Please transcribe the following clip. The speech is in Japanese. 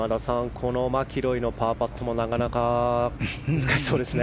このマキロイのパーパットもなかなか難しそうですね。